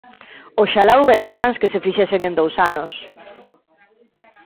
¡Oxalá houbera plans que se fixesen en dous anos!